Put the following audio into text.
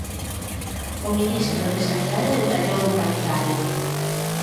O ministro de Sanidade detallou o calendario.